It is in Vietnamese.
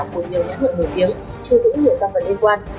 của nhiều nhà thượng nổi tiếng thu giữ nhiều các vật liên quan